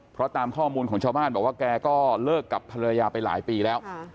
เพราะตามข้อมูลของชาวบ้านบอกว่าแกก็เลิกกับภรรยาไปหลายปีแล้ว